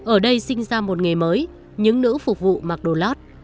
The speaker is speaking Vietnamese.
ở đây sinh ra một nghề mới những nữ phục vụ mặc đồ lót